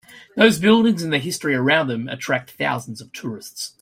Those buildings and the history around them attract thousands of tourists.